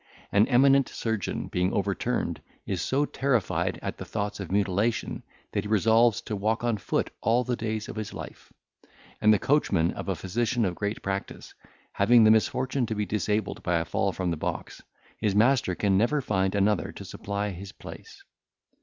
An eminent surgeon being overturned, is so terrified at the thoughts of mutilation, that he resolves to walk on foot all the days of his life; and the coachman of a physician of great practice, having the misfortune to be disabled by a fall from the box, his master can never find another to supply his place.